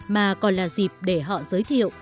mà còn là dịp để họ giới thiệu